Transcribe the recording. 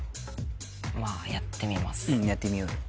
まあやってみますうんやってみようよ